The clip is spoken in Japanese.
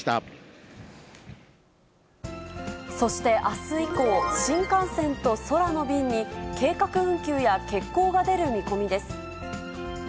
そしてあす以降、新幹線と空の便に計画運休や欠航が出る見込みです。